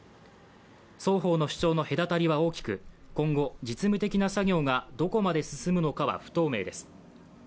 双方の主張の隔たりは大きく今後、実務的な作業がどこまで進むのかは不透明です。